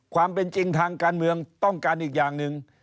ความเป็นจริงทางการเมืองต้องการอีกอย่างหนึ่ง